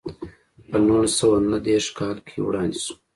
په نولس سوه نهه دېرش کال کې وړاندې شوه.